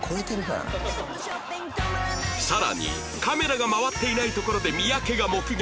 さらにカメラが回っていないところで三宅が目撃！